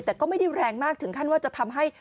แต่ก็ไม่ได้แรงมากถึงขั้นว่าจะทำให้